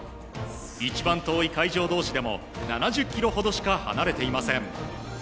一番遠い会場同士でも７０ｋｍほどしか離れていません。